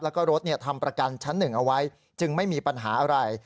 แล้วก็รถทำประกันชั้นหนึ่งเอาไว้จึงไม่มีปัญหาอะไร